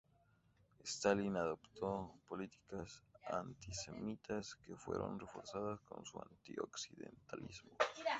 Stalin adoptó políticas antisemitas que fueron reforzadas con su anti-occidentalismo.